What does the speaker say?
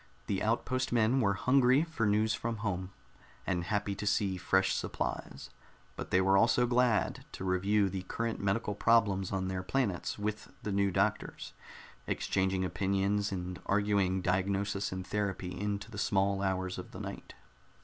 The outpost men were hungry for news from home, and happy to see fresh supplies; but they were also glad to review the current medical problems on their planets with the new doctors, exchanging opinions and arguing diagnosis and therapy into the small hours of the night.